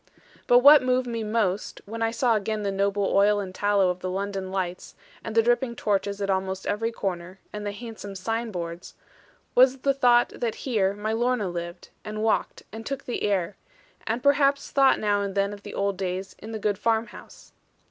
But what moved me most, when I saw again the noble oil and tallow of the London lights, and the dripping torches at almost every corner, and the handsome signboards, was the thought that here my Lorna lived, and walked, and took the air, and perhaps thought now and then of the old days in the good farm house.